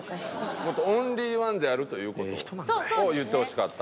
もっとオンリーワンであるという事を言ってほしかった。